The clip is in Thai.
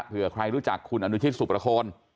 เผื่อใครรู้จักคุณอนุชิตสุประโคน